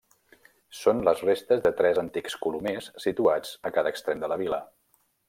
Són les restes de tres antics colomers situats a cada extrem de la vila.